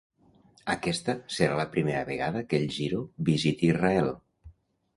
Aquesta serà la primera vegada que el Giro visiti Israel.